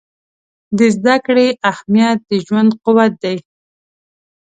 د زده کړې اهمیت د ژوند قوت دی.